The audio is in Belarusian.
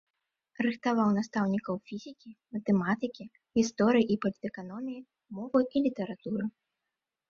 Рыхтаваў настаўнікаў фізікі, матэматыкі, гісторыі і палітэканоміі, мовы і літаратуры.